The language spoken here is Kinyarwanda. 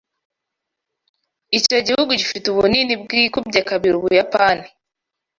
Icyo gihugu gifite ubunini bwikubye kabiri Ubuyapani.